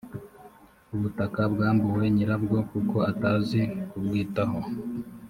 ubutaka bwambuwe nyirabwo kuko atazi kubwitaho